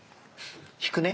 引くね。